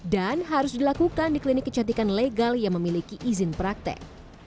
dan harus dilakukan di klinik kecantikan legal yang memiliki izin praktek